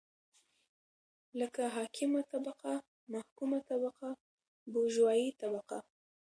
لکه حاکمه طبقه ،محکومه طبقه بوژوايي طبقه